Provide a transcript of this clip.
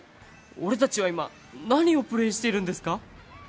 俺達は今何をプレイしてるんですか？